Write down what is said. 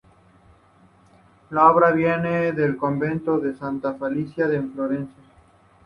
La obra viene del convento de Santa Felicita en Florencia.